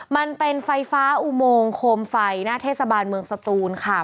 มันเป็นไฟฟ้าอุโมงโคมไฟหน้าเทศบาลเมืองสตูนค่ะ